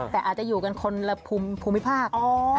แต่อาจจะอยู่กันคนละภูมิภาค